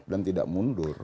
dan tidak mundur